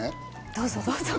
どうぞどうぞ。